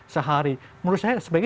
sehari menurut saya sebaiknya